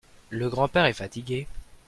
Le grand-père est fatigué.